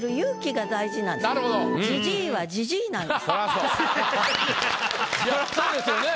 そらそうですよね。